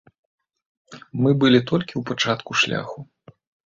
Мы былі толькі ў пачатку шляху.